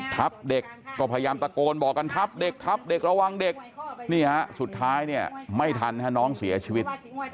ทับเด็กก็พยายามตะโกนบอกกันทับเด็กทับเด็กระวังเด็กนี่ฮะสุดท้ายเนี่ยไม่ทันฮะน้องเสียชีวิต